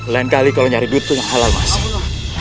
lain kali kalo nyari duit tuh yang salah lu masih